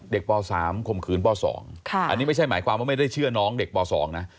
ป๓ข่มขืนป๒อันนี้ไม่ใช่หมายความว่าไม่ได้เชื่อน้องเด็กป๒นะ